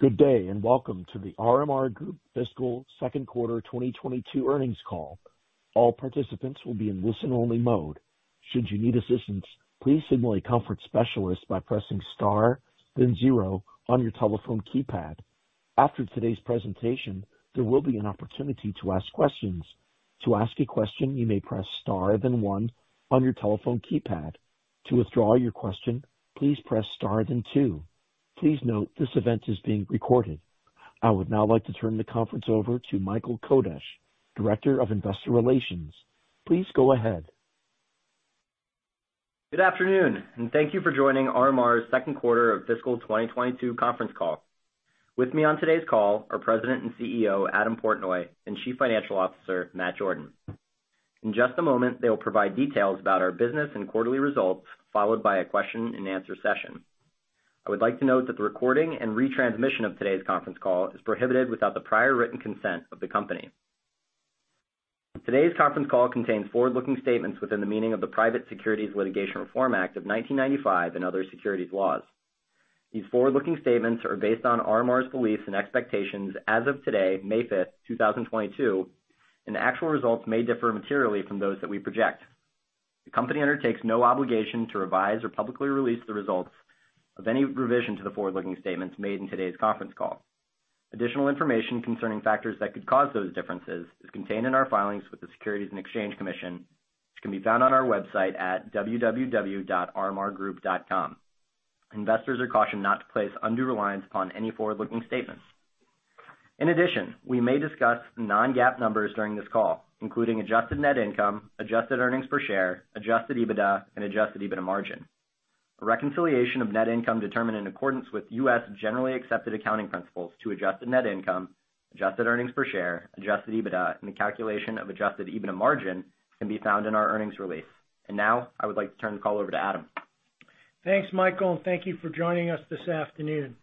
Good day, and welcome to The RMR Group Fiscal Second Quarter 2022 Earnings Call. All participants will be in listen only mode. Should you need assistance, please signal a conference specialist by pressing Star, then zero on your telephone keypad. After today's presentation, there will be an opportunity to ask questions. To ask a question, you may press Star, then one on your telephone keypad. To withdraw your question, please press Star, then two. Please note this event is being recorded. I would now like to turn the conference over to Michael Kodesch, Director of Investor Relations. Please go ahead. Good afternoon, and thank you for joining RMR's second quarter of fiscal 2022 conference call. With me on today's call are President and CEO, Adam Portnoy, and Chief Financial Officer, Matt Jordan. In just a moment, they will provide details about our business and quarterly results, followed by a question and answer session. I would like to note that the recording and re-transmission of today's conference call is prohibited without the prior written consent of the company. Today's conference call contains forward-looking statements within the meaning of the Private Securities Litigation Reform Act of 1995 and other securities laws. These forward-looking statements are based on RMR's beliefs and expectations as of today, May 5th, 2022, and actual results may differ materially from those that we project. The company undertakes no obligation to revise or publicly release the results of any revision to the forward-looking statements made in today's conference call. Additional information concerning factors that could cause those differences is contained in our filings with the Securities and Exchange Commission, which can be found on our website at www.rmrgroup.com. Investors are cautioned not to place undue reliance upon any forward-looking statements. In addition, we may discuss non-GAAP numbers during this call, including adjusted net income, adjusted earnings per share, adjusted EBITDA, and adjusted EBITDA margin. A reconciliation of net income determined in accordance with U.S. generally accepted accounting principles to adjusted net income, adjusted earnings per share, adjusted EBITDA, and the calculation of adjusted EBITDA margin can be found in our earnings release. Now I would like to turn the call over to Adam. Thanks, Michael, and thank you for joining us this afternoon.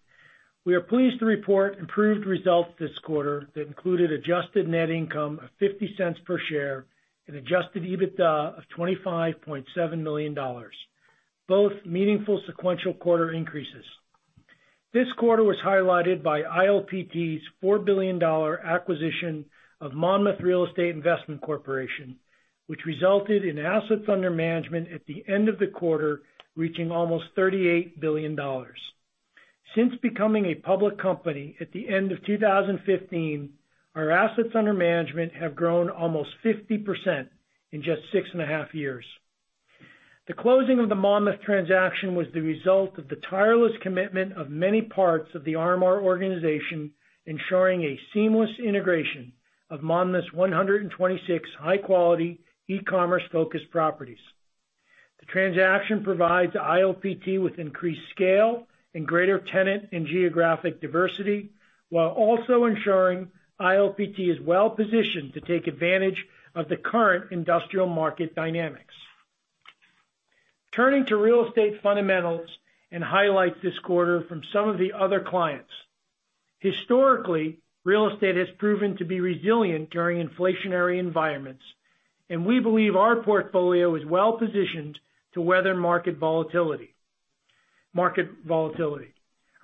We are pleased to report improved results this quarter that included adjusted net income of $0.50 per share and adjusted EBITDA of $25.7 million. Both meaningful sequential quarter increases. This quarter was highlighted by ILPT's $4 billion acquisition of Monmouth Real Estate Investment Corporation, which resulted in assets under management at the end of the quarter, reaching almost $38 billion. Since becoming a public company at the end of 2015, our assets under management have grown almost 50% in just 6.5 years. The closing of the Monmouth transaction was the result of the tireless commitment of many parts of the RMR organization, ensuring a seamless integration of Monmouth's 126 high-quality e-commerce-focused properties. The transaction provides ILPT with increased scale and greater tenant and geographic diversity, while also ensuring ILPT is well-positioned to take advantage of the current industrial market dynamics. Turning to real estate fundamentals and highlights this quarter from some of the other clients. Historically, real estate has proven to be resilient during inflationary environments, and we believe our portfolio is well-positioned to weather market volatility.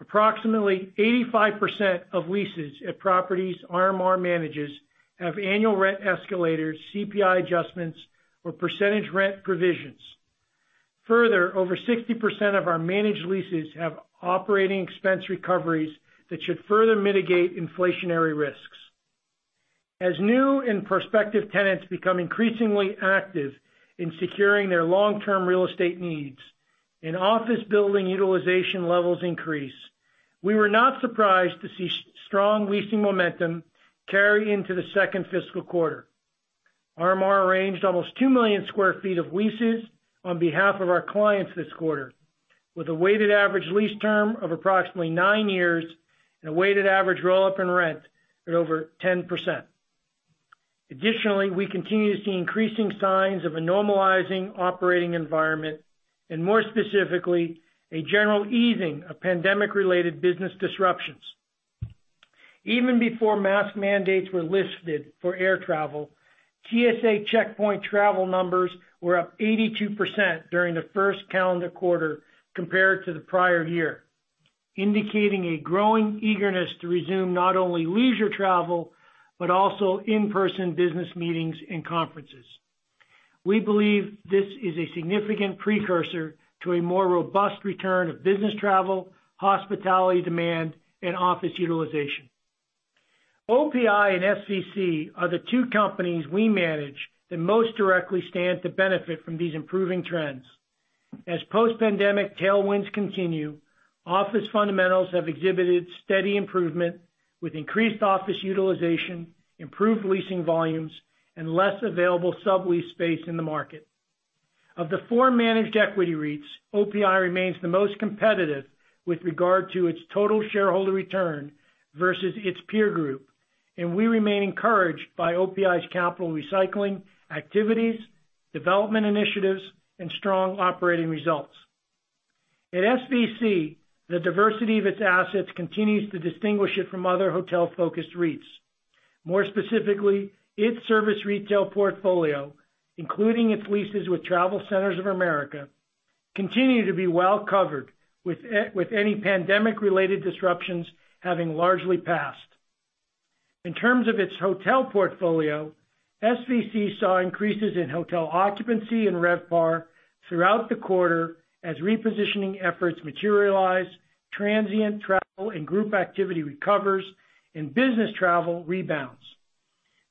Approximately 85% of leases at properties RMR manages have annual rent escalators, CPI adjustments, or percentage rent provisions. Further, over 60% of our managed leases have operating expense recoveries that should further mitigate inflationary risks. As new and prospective tenants become increasingly active in securing their long-term real estate needs and office building utilization levels increase, we were not surprised to see strong leasing momentum carry into the second fiscal quarter. RMR arranged almost 2 million sq ft of leases on behalf of our clients this quarter, with a weighted average lease term of approximately nine years and a weighted average roll-up in rent at over 10%. Additionally, we continue to see increasing signs of a normalizing operating environment and more specifically, a general easing of pandemic-related business disruptions. Even before mask mandates were lifted for air travel, TSA checkpoint travel numbers were up 82% during the first calendar quarter compared to the prior year, indicating a growing eagerness to resume not only leisure travel, but also in-person business meetings and conferences. We believe this is a significant precursor to a more robust return of business travel, hospitality demand, and office utilization. OPI and SVC are the two companies we manage that most directly stand to benefit from these improving trends. As post-pandemic tailwinds continue, office fundamentals have exhibited steady improvement with increased office utilization, improved leasing volumes, and less available sublease space in the market. Of the four managed equity REITs, OPI remains the most competitive with regard to its total shareholder return versus its peer group, and we remain encouraged by OPI's capital recycling activities, development initiatives, and strong operating results. At SVC, the diversity of its assets continues to distinguish it from other hotel-focused REITs. More specifically, its service retail portfolio, including its leases with TravelCenters of America, continue to be well covered with any pandemic-related disruptions having largely passed. In terms of its hotel portfolio, SVC saw increases in hotel occupancy and RevPAR throughout the quarter as repositioning efforts materialize, transient travel and group activity recovers, and business travel rebounds.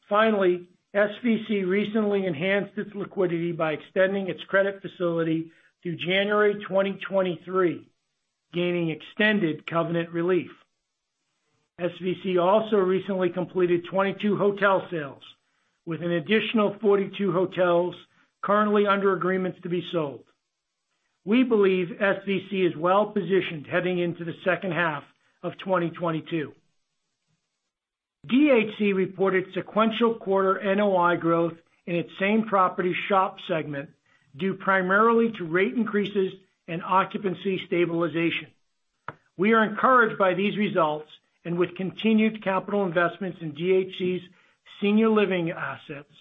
Finally, SVC recently enhanced its liquidity by extending its credit facility through January 2023, gaining extended covenant relief. SVC also recently completed 22 hotel sales, with an additional 42 hotels currently under agreements to be sold. We believe SVC is well-positioned heading into the second half of 2022. DHC reported sequential quarter NOI growth in its same-property SHOP segment, due primarily to rate increases and occupancy stabilization. We are encouraged by these results, and with continued capital investments in DHC's senior living assets,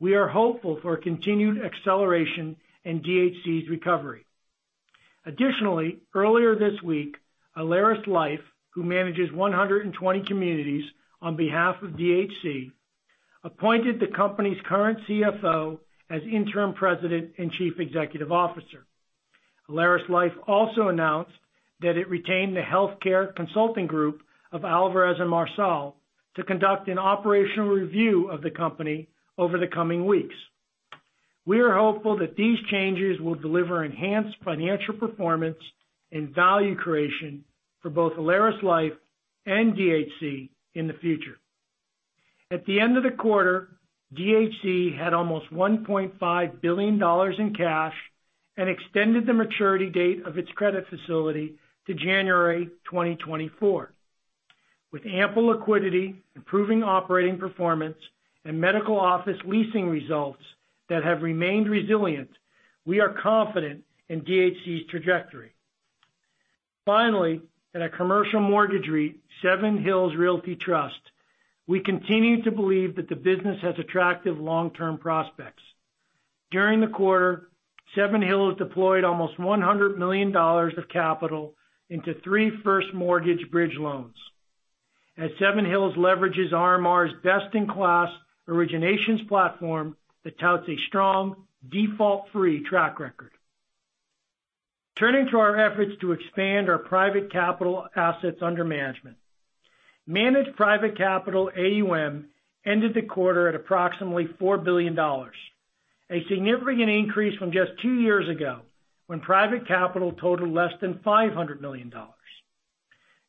we are hopeful for a continued acceleration in DHC's recovery. Additionally, earlier this week, AlerisLife, who manages 120 communities on behalf of DHC, appointed the company's current CFO as interim president and chief executive officer. AlerisLife also announced that it retained the healthcare consulting group of Alvarez & Marsal to conduct an operational review of the company over the coming weeks. We are hopeful that these changes will deliver enhanced financial performance and value creation for both AlerisLife and DHC in the future. At the end of the quarter, DHC had almost $1.5 billion in cash and extended the maturity date of its credit facility to January 2024. With ample liquidity, improving operating performance, and medical office leasing results that have remained resilient, we are confident in DHC's trajectory. Finally, in our commercial mortgage REIT, Seven Hills Realty Trust, we continue to believe that the business has attractive long-term prospects. During the quarter, Seven Hills deployed almost $100 million of capital into three first mortgage bridge loans. Seven Hills leverages RMR's best-in-class originations platform that touts a strong default-free track record. Turning to our efforts to expand our private capital assets under management. Managed private capital AUM ended the quarter at approximately $4 billion, a significant increase from just two years ago when private capital totaled less than $500 million.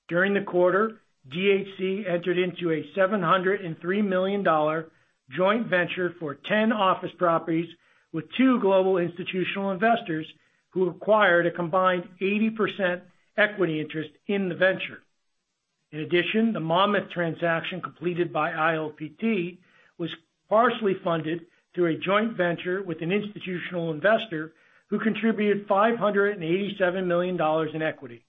During the quarter, DHC entered into a $703 million joint venture for 10 office properties with two global institutional investors who acquired a combined 80% equity interest in the venture. In addition, the Monmouth transaction completed by ILPT was partially funded through a joint venture with an institutional investor who contributed $587 million in equity.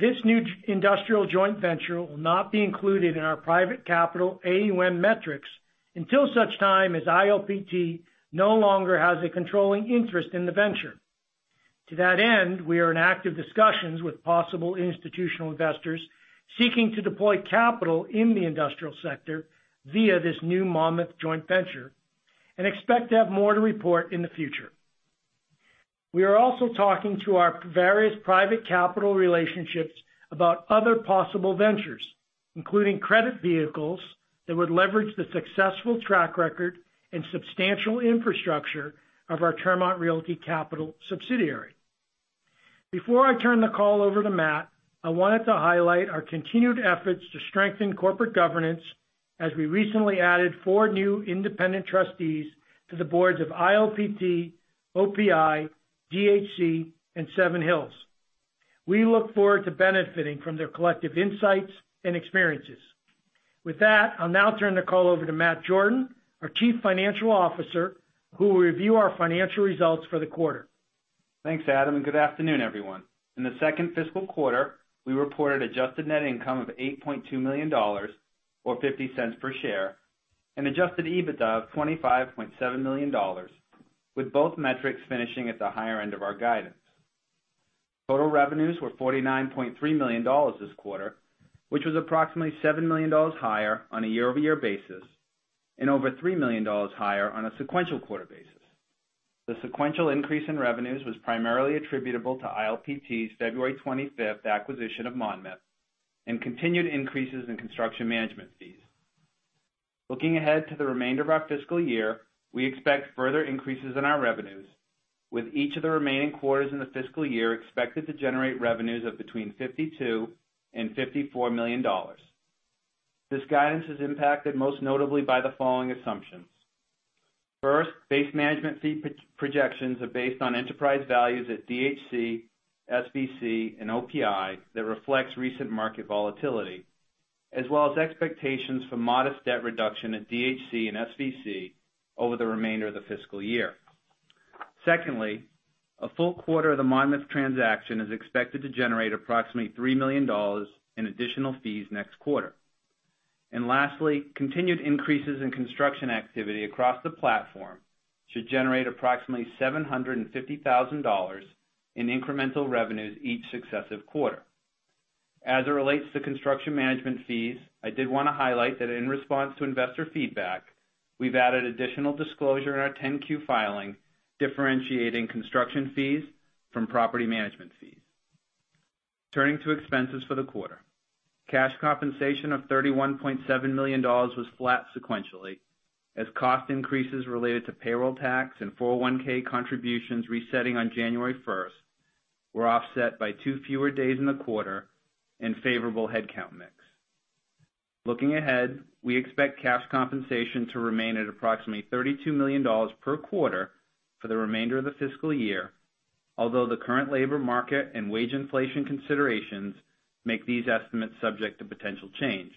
This new industrial joint venture will not be included in our private capital AUM metrics until such time as ILPT no longer has a controlling interest in the venture. To that end, we are in active discussions with possible institutional investors seeking to deploy capital in the industrial sector via this new Monmouth joint venture and expect to have more to report in the future. We are also talking to our various private capital relationships about other possible ventures, including credit vehicles that would leverage the successful track record and substantial infrastructure of our Tremont Realty Capital subsidiary. Before I turn the call over to Matt, I wanted to highlight our continued efforts to strengthen corporate governance as we recently added four new independent trustees to the boards of ILPT, OPI, DHC, and Seven Hills. We look forward to benefiting from their collective insights and experiences. With that, I'll now turn the call over to Matt Jordan, our Chief Financial Officer, who will review our financial results for the quarter. Thanks, Adam, and good afternoon, everyone. In the second fiscal quarter, we reported adjusted net income of $8.2 million, or $0.50 per share, and adjusted EBITDA of $25.7 million, with both metrics finishing at the higher end of our guidance. Total revenues were $49.3 million this quarter, which was approximately $7 million higher on a year-over-year basis and over $3 million higher on a sequential quarter basis. The sequential increase in revenues was primarily attributable to ILPT's February 25th acquisition of Monmouth and continued increases in construction management fees. Looking ahead to the remainder of our fiscal year, we expect further increases in our revenues, with each of the remaining quarters in the fiscal year expected to generate revenues of between $52 million and $54 million. This guidance is impacted most notably by the following assumptions. First, base management fee projections are based on enterprise values at DHC, SVC, and OPI that reflects recent market volatility, as well as expectations for modest debt reduction at DHC and SVC over the remainder of the fiscal year. Secondly, a full quarter of the Monmouth transaction is expected to generate approximately $3 million in additional fees next quarter. Lastly, continued increases in construction activity across the platform should generate approximately $750,000 in incremental revenues each successive quarter. As it relates to construction management fees, I did want to highlight that in response to investor feedback, we've added additional disclosure in our 10-Q filing, differentiating construction fees from property management fees. Turning to expenses for the quarter. Cash compensation of $31.7 million was flat sequentially as cost increases related to payroll tax and 401(k) contributions resetting on January 1st were offset by two fewer days in the quarter and favorable headcount mix. Looking ahead, we expect cash compensation to remain at approximately $32 million per quarter for the remainder of the fiscal year. Although the current labor market and wage inflation considerations make these estimates subject to potential change.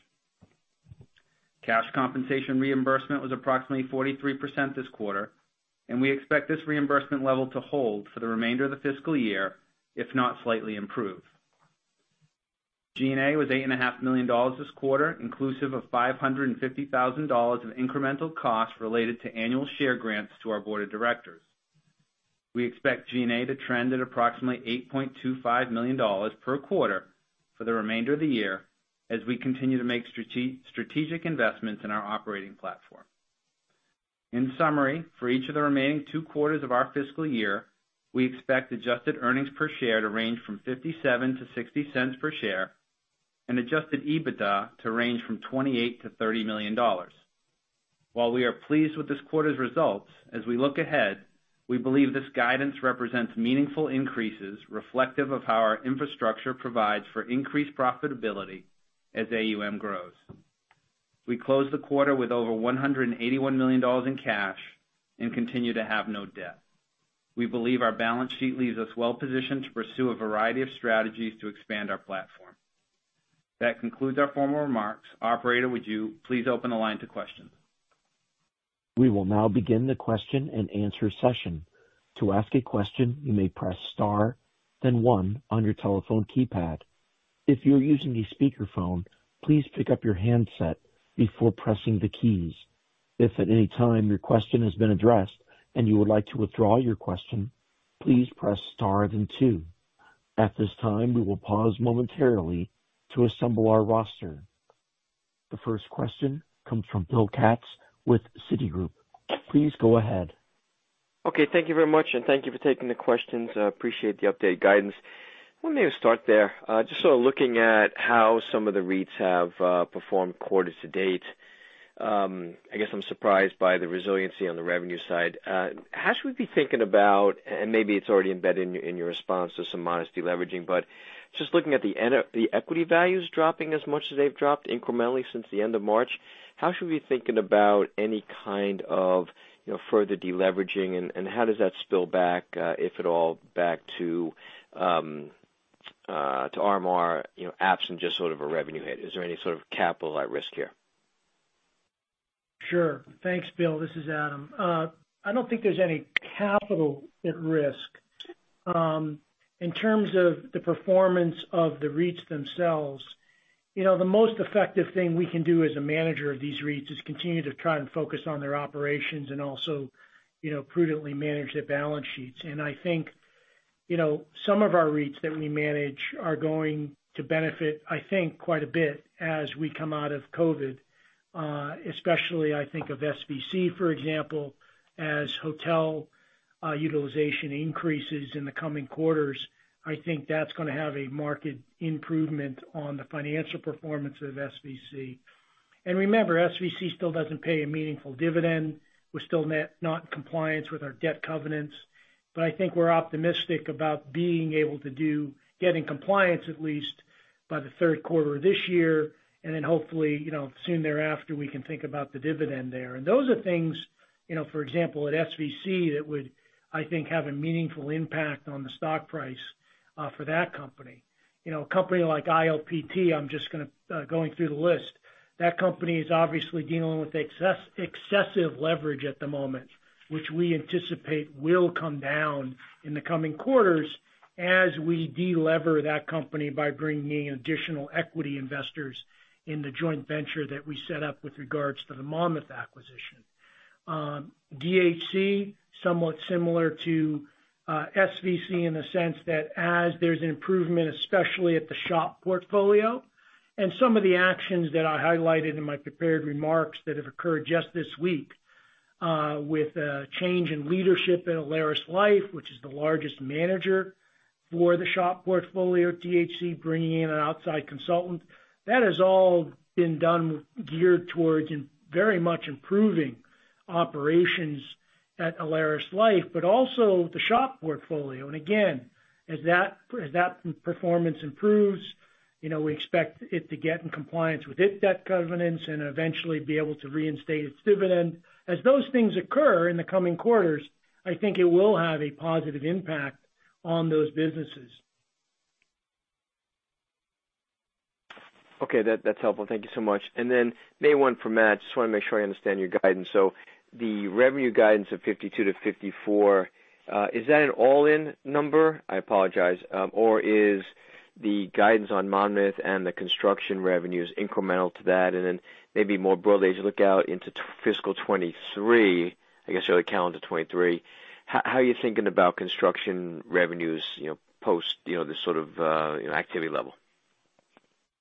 Cash compensation reimbursement was approximately 43% this quarter, and we expect this reimbursement level to hold for the remainder of the fiscal year, if not slightly improve. G&A was $8.5 million this quarter, inclusive of $550,000 of incremental costs related to annual share grants to our board of directors. We expect G&A to trend at approximately $8.25 million per quarter for the remainder of the year as we continue to make strategic investments in our operating platform. In summary, for each of the remaining two quarters of our fiscal year, we expect adjusted earnings per share to range from $57-$60 per share and adjusted EBITDA to range from $28 million-$30 million. While we are pleased with this quarter's results, as we look ahead, we believe this guidance represents meaningful increases reflective of how our infrastructure provides for increased profitability as AUM grows. We closed the quarter with over $181 million in cash and continue to have no debt. We believe our balance sheet leaves us well positioned to pursue a variety of strategies to expand our platform. That concludes our formal remarks. Operator, would you please open the line to questions? We will now begin the question-and-answer session. To ask a question, you may press star then one on your telephone keypad. If you're using a speakerphone, please pick up your handset before pressing the keys. If at any time your question has been addressed and you would like to withdraw your question, please press star then two. At this time, we will pause momentarily to assemble our roster. The first question comes from Bill Katz with Citigroup. Please go ahead. Okay. Thank you very much, and thank you for taking the questions. I appreciate the update guidance. Let me start there. Just sort of looking at how some of the REITs have performed quarter to date, I guess I'm surprised by the resiliency on the revenue side. How should we be thinking about, and maybe it's already embedded in your response to some modest deleveraging, but just looking at the end of the equity values dropping as much as they've dropped incrementally since the end of March, how should we be thinking about any kind of, you know, further deleveraging, and how does that spill back, if at all, back to RMR, you know, absent just sort of a revenue hit? Is there any sort of capital at risk here? Sure. Thanks, Bill. This is Adam. I don't think there's any capital at risk. In terms of the performance of the REITs themselves, you know, the most effective thing we can do as a manager of these REITs is continue to try and focus on their operations and also, you know, prudently manage their balance sheets. I think, you know, some of our REITs that we manage are going to benefit, I think, quite a bit as we come out of Covid, especially I think of SVC, for example, as hotel utilization increases in the coming quarters. I think that's gonna have a marked improvement on the financial performance of SVC. Remember, SVC still doesn't pay a meaningful dividend. We're still not in compliance with our debt covenants, but I think we're optimistic about being able to get in compliance at least by the third quarter of this year. Then hopefully, you know, soon thereafter, we can think about the dividend there. Those are things, you know, for example, at SVC, that would, I think, have a meaningful impact on the stock price for that company. You know, a company like ILPT, I'm just gonna going through the list. That company is obviously dealing with excessive leverage at the moment, which we anticipate will come down in the coming quarters as we de-lever that company by bringing additional equity investors in the joint venture that we set up with regards to the Monmouth acquisition. DHC, somewhat similar to SVC in the sense that as there's an improvement, especially at the SHOP portfolio and some of the actions that I highlighted in my prepared remarks that have occurred just this week, with a change in leadership at AlerisLife, which is the largest manager for the SHOP portfolio, DHC bringing in an outside consultant. That has all been done geared towards very much improving operations at AlerisLife, but also the SHOP portfolio. Again, as that performance improves, you know, we expect it to get in compliance with its debt covenants and eventually be able to reinstate its dividend. As those things occur in the coming quarters, I think it will have a positive impact on those businesses. Okay. That, that's helpful. Thank you so much. Then maybe one for Matt, just wanna make sure I understand your guidance. The revenue guidance of $52-$54, is that an all-in number? I apologize. Or is the guidance on Monmouth and the construction revenues incremental to that? Then maybe more broadly, as you look out into fiscal 2023, I guess early calendar 2023, how are you thinking about construction revenues, you know, post this sort of activity level?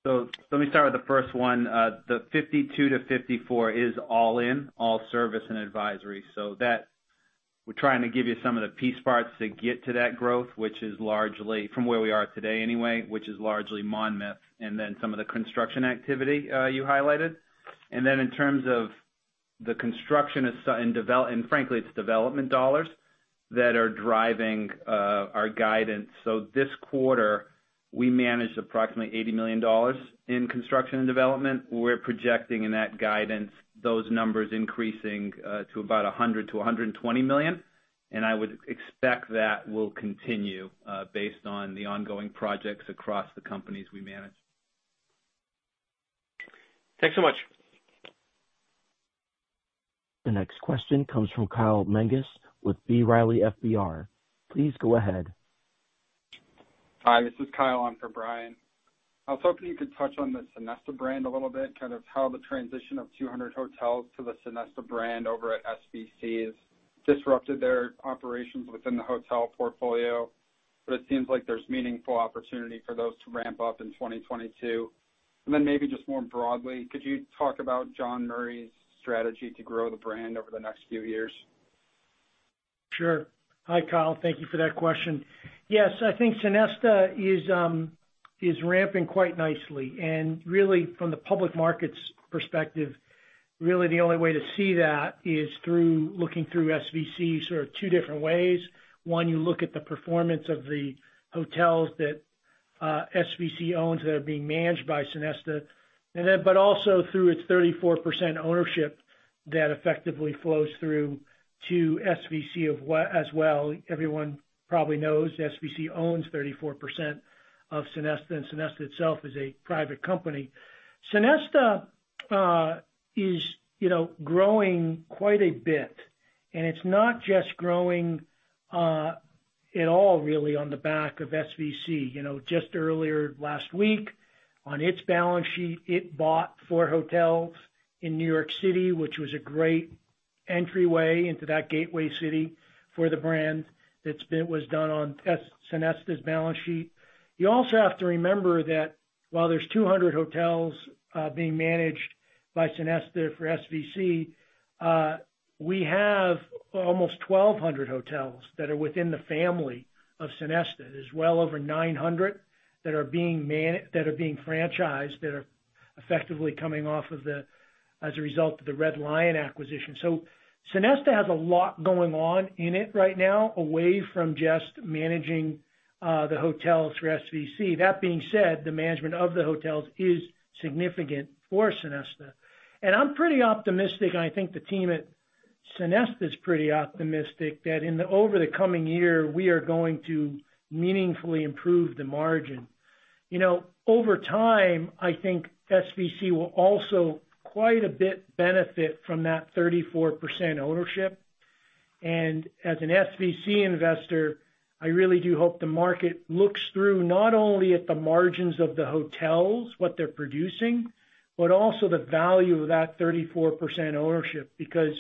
Let me start with the first one. The 52%-54% is all in, all service and advisory. That. We're trying to give you some of the piece parts to get to that growth, which is largely from where we are today anyway, which is largely Monmouth and then some of the construction activity you highlighted. Then in terms of the construction and frankly, it's development dollars that are driving our guidance. This quarter, we managed approximately $80 million in construction and development. We're projecting in that guidance, those numbers increasing to about $100 million-$120 million, and I would expect that will continue based on the ongoing projects across the companies we manage. Thanks so much. The next question comes from Kyle Menges with B. Riley FBR. Please go ahead. Hi, this is Kyle on for Brian. I was hoping you could touch on the Sonesta brand a little bit, kind of how the transition of 200 hotels to the Sonesta brand over at SVC has disrupted their operations within the hotel portfolio. It seems like there's meaningful opportunity for those to ramp up in 2022. Maybe just more broadly, could you talk about John Murray's strategy to grow the brand over the next few years? Sure. Hi, Kyle. Thank you for that question. Yes. I think Sonesta is ramping quite nicely. Really from the public markets perspective, really the only way to see that is through looking through SVC sort of two different ways. One, you look at the performance of the hotels that SVC owns that are being managed by Sonesta. Also through its 34% ownership that effectively flows through to SVC of as well. Everyone probably knows SVC owns 34% of Sonesta, and Sonesta itself is a private company. Sonesta is, you know, growing quite a bit, and it's not just growing at all really on the back of SVC. You know, just earlier last week on its balance sheet, it bought four hotels in New York City, which was a great entryway into that gateway city for the brand that was done on Sonesta's balance sheet. You also have to remember that while there's 200 hotels being managed by Sonesta for SVC, we have almost 1,200 hotels that are within the family of Sonesta. There's well over 900 that are being franchised, that are effectively coming off of the, as a result of the Red Lion acquisition. So Sonesta has a lot going on in it right now, away from just managing the hotels for SVC. That being said, the management of the hotels is significant for Sonesta. I'm pretty optimistic, and I think the team at Sonesta is pretty optimistic that in the. Over the coming year, we are going to meaningfully improve the margin. You know, over time, I think SVC will also quite a bit benefit from that 34% ownership. As an SVC Investor, I really do hope the market looks through not only at the margins of the hotels, what they're producing, but also the value of that 34% ownership. Because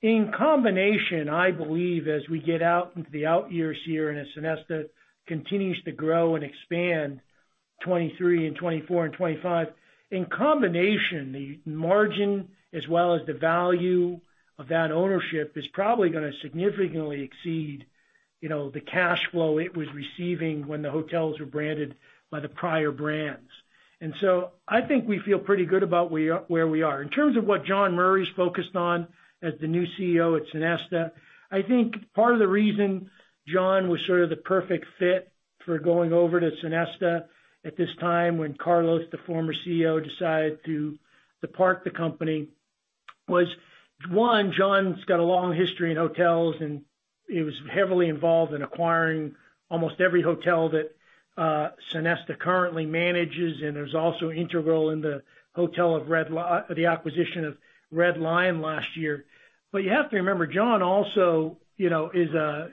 in combination, I believe as we get out into the out years here and as Sonesta continues to grow and expand 2023 and 2024 and 2025, in combination, the margin as well as the value of that ownership is probably gonna significantly exceed, you know, the cash flow it was receiving when the hotels were branded by the prior brands. I think we feel pretty good about where we are. In terms of what John Murray's focused on as the new CEO at Sonesta, I think part of the reason John was sort of the perfect fit for going over to Sonesta at this time when Carlos, the former CEO, decided to depart the company, was one, John's got a long history in hotels, and he was heavily involved in acquiring almost every hotel that Sonesta currently manages and is also integral in the acquisition of Red Lion last year. You have to remember, John also, you know, is a,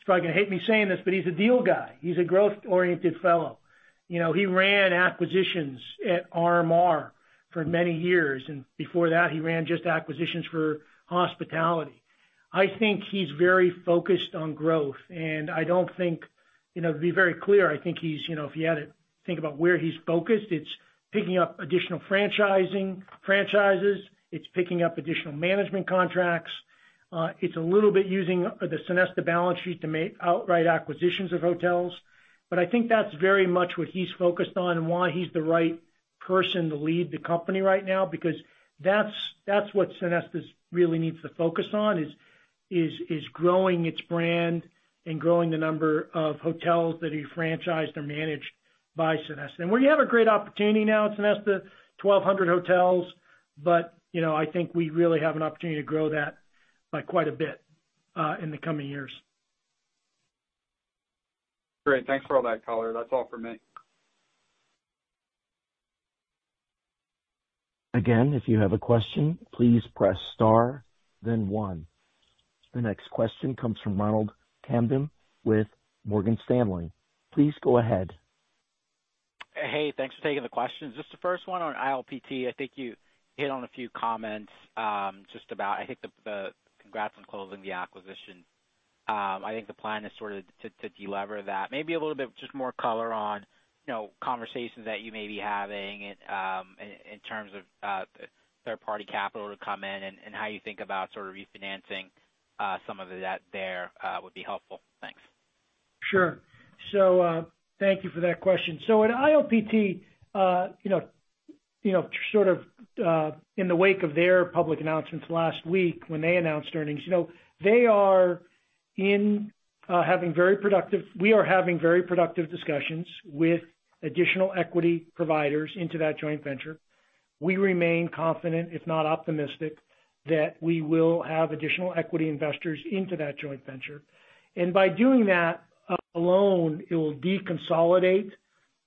he's probably gonna hate me saying this, but he's a deal guy. He's a growth-oriented fellow. You know, he ran acquisitions at RMR for many years, and before that he ran just acquisitions for hospitality. I think he's very focused on growth, and I don't think You know, to be very clear, I think he's, you know, if you had to think about where he's focused, it's picking up additional franchising, franchises. It's picking up additional management contracts. It's a little bit using the Sonesta balance sheet to make outright acquisitions of hotels. But I think that's very much what he's focused on and why he's the right person to lead the company right now, because that's what Sonesta really needs to focus on is growing its brand and growing the number of hotels that are franchised or managed by Sonesta. We have a great opportunity now at Sonesta, 1,200 hotels, but you know, I think we really have an opportunity to grow that by quite a bit in the coming years. Great. Thanks for all that, color. That's all for me. Again, if you have a question, please press star then one. The next question comes from Ronald Kamdem with Morgan Stanley. Please go ahead. Hey, thanks for taking the questions. Just the first one on ILPT, I think you hit on a few comments, just about I think the congrats on closing the acquisition. I think the plan is sort of to delever that. Maybe a little bit just more color on, you know, conversations that you may be having in terms of third-party capital to come in and how you think about sort of refinancing some of that there would be helpful. Thanks. Sure. Thank you for that question. At ILPT, you know, sort of, in the wake of their public announcements last week when they announced earnings, you know, we are having very productive discussions with additional equity providers into that joint venture. We remain confident, if not optimistic, that we will have additional equity investors into that joint venture. By doing that alone, it will deconsolidate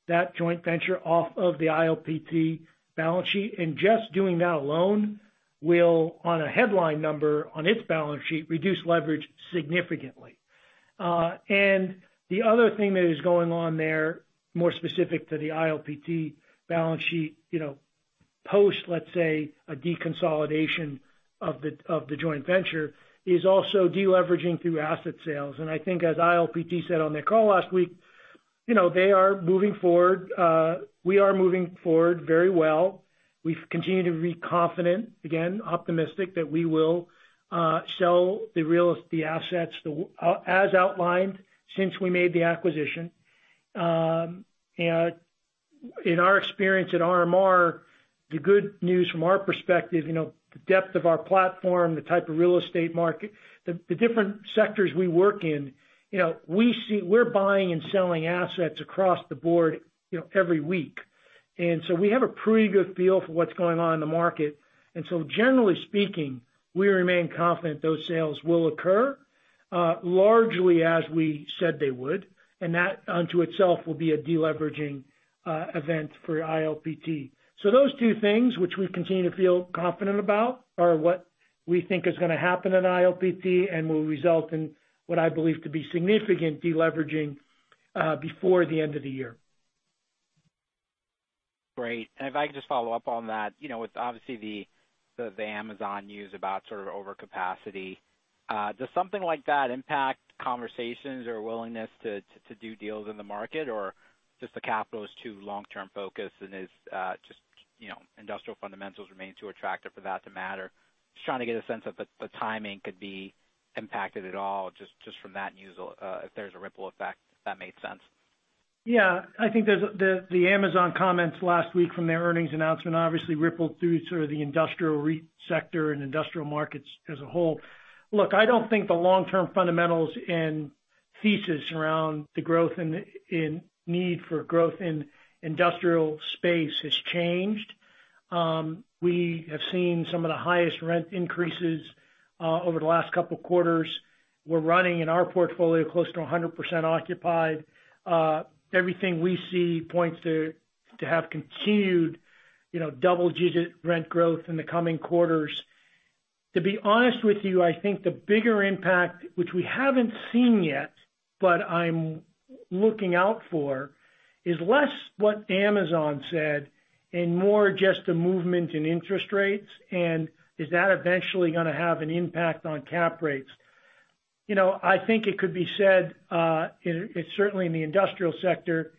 that joint venture off of the ILPT balance sheet. Just doing that alone will, on a headline number on its balance sheet, reduce leverage significantly. The other thing that is going on there, more specific to the ILPT balance sheet, you know, post, let's say, a deconsolidation of the joint venture, is also deleveraging through asset sales. I think as ILPT said on their call last week, you know, they are moving forward. We are moving forward very well. We've continued to be confident, again, optimistic that we will sell the assets as outlined since we made the acquisition. In our experience at RMR, the good news from our perspective, you know, the depth of our platform, the type of real estate market, the different sectors we work in, you know, we're buying and selling assets across the board, you know, every week. We have a pretty good feel for what's going on in the market. Generally speaking, we remain confident those sales will occur largely as we said they would. That unto itself will be a deleveraging event for ILPT. Those two things which we continue to feel confident about are what we think is gonna happen at ILPT and will result in what I believe to be significant deleveraging before the end of the year. Great. If I could just follow up on that. You know, with obviously the Amazon news about sort of overcapacity, does something like that impact conversations or willingness to do deals in the market? Or just the capital is too long-term focused and is just, you know, industrial fundamentals remain too attractive for that to matter? Just trying to get a sense if the timing could be impacted at all just from that news, if there's a ripple effect, if that made sense. Yeah. I think there's the Amazon comments last week from their earnings announcement obviously rippled through sort of the industrial REIT sector and industrial markets as a whole. Look, I don't think the long-term fundamentals and thesis around the growth in need for growth in industrial space has changed. We have seen some of the highest rent increases over the last couple quarters. We're running in our portfolio close to 100% occupied. Everything we see points to continued, you know, double-digit rent growth in the coming quarters. To be honest with you, I think the bigger impact, which we haven't seen yet, but I'm looking out for, is less what Amazon said and more just the movement in interest rates, and is that eventually gonna have an impact on cap rates. You know, I think it could be said certainly in the industrial sector,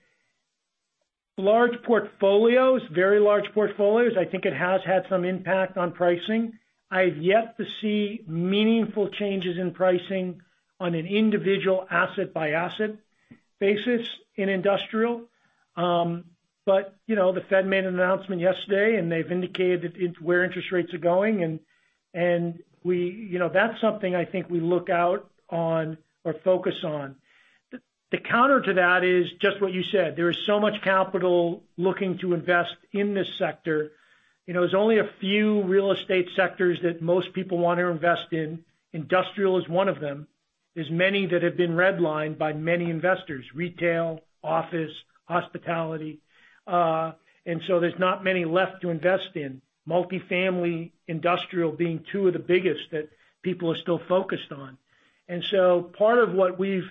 large portfolios, very large portfolios, I think it has had some impact on pricing. I've yet to see meaningful changes in pricing on an individual asset-by-asset basis in industrial. But, you know, the Fed made an announcement yesterday, and they've indicated it's where interest rates are going. You know, that's something I think we look out on or focus on. The counter to that is just what you said. There is so much capital looking to invest in this sector. You know, there's only a few real estate sectors that most people want to invest in. Industrial is one of them. There's many that have been redlined by many investors, retail, office, hospitality. There's not many left to invest in. Multifamily, industrial being two of the biggest that people are still focused on. Part of what we've,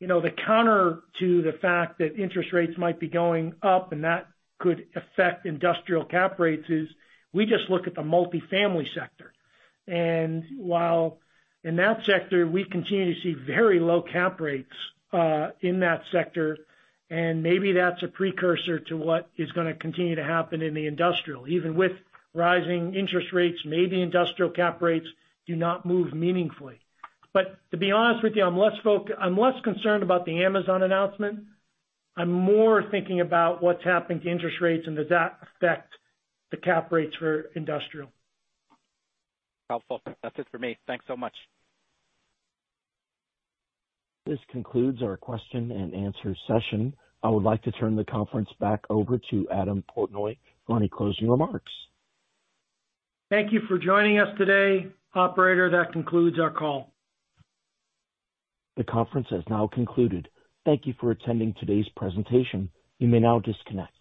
you know, the counter to the fact that interest rates might be going up and that could affect industrial cap rates is we just look at the multifamily sector. While in that sector, we continue to see very low cap rates in that sector, and maybe that's a precursor to what is gonna continue to happen in the industrial. Even with rising interest rates, maybe industrial cap rates do not move meaningfully. To be honest with you, I'm less concerned about the Amazon announcement. I'm more thinking about what's happening to interest rates and does that affect the cap rates for industrial. Helpful. That's it for me. Thanks so much. This concludes our question-and-answer session. I would like to turn the conference back over to Adam Portnoy for any closing remarks. Thank you for joining us today. Operator, that concludes our call. The conference has now concluded. Thank you for attending today's presentation. You may now disconnect.